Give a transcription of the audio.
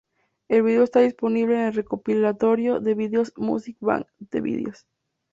El video está disponible en el recopilatorio de videos Music Bank: The Videos.